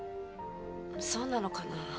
そうなのかな。